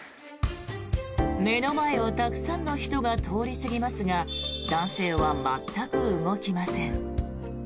目の前をたくさんの人が通り過ぎますが男性は全く動きません。